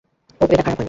ওহ, এটা খারাপ হয়নি।